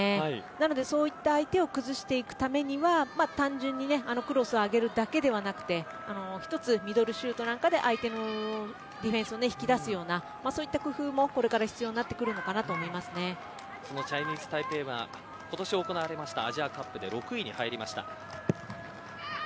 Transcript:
なので、そういった相手を崩していくためには単純にクロスを上げるだけではなくて一つ、ミドルシュートなんかで相手のディフェンスを引き出すようなそういった工夫もこれから必要になってくるとそのチャイニーズタイペイは今年行われたアジアカップで６位に入りました。